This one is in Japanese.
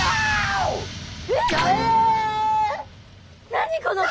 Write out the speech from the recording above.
何この子！？